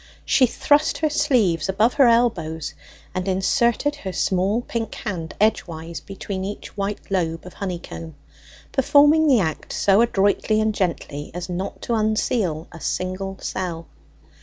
She thrust her sleeves above her elbows, and inserted her small pink hand edgewise between each white lobe of honeycomb, performing the act so adroitly and gently as not to unseal a single cell.